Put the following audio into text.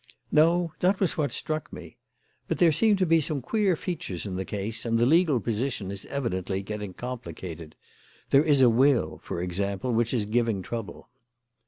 "No, that was what struck me. But there seem to be some queer features in the case, and the legal position is evidently getting complicated. There is a will, for example, which is giving trouble."